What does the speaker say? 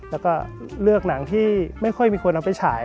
แล้วก็เลือกหนังที่ไม่ค่อยมีคนเอาไปฉาย